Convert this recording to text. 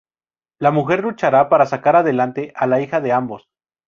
La mujer luchará para sacar adelante a la hija de ambos.